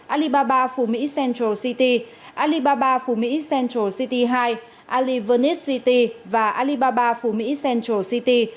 alibaba phủ mỹ central city alibaba phủ mỹ central city hai alibaba venice city và alibaba phủ mỹ central city